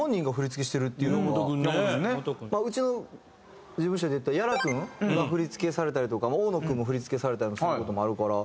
うちの事務所でいったら屋良君が振り付けされたりとか大野君も振り付けされたりもする事もあるから。